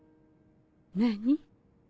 何？